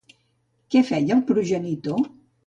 Què feia el progenitor?